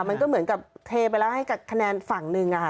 มันก็เหมือนกับเทไปแล้วให้กับคะแนนฝั่งหนึ่งอะค่ะ